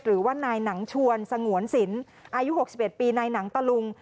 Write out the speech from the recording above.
หรือว่านายหนังชวนสงวนศิลป์อายุหกสิบเอ็ดปีนายหนังตะลุง